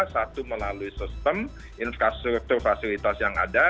satu melalui sistem infrastruktur fasilitas yang ada